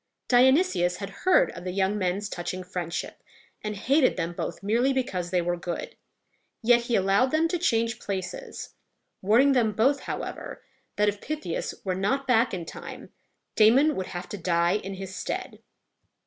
Dionysius had heard of the young men's touching friendship, and hated them both merely because they were good; yet he allowed them to change places, warning them both, however, that, if Pythias were not back in time, Damon would have to die in his stead.